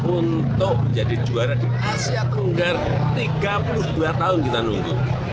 untuk menjadi juara di asia tenggara tiga puluh dua tahun kita nunggu